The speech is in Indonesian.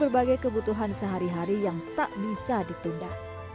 berbagai kebutuhan sehari hari yang tak bisa ditunda